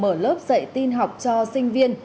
mở lớp dạy tin học cho sinh viên